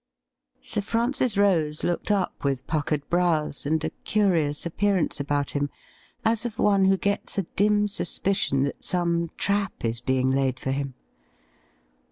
Sir Francis Rose looked up with puckered brows and a curious appearance about him, as of one who gets a dim suspicion that some trap is being laid for him.